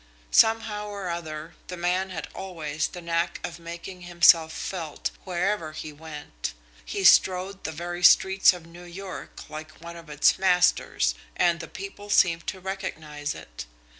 Somehow or other, the man had always the knack of making himself felt wherever he went. He strode the very streets of New York like one of its masters and the people seemed to recognise it.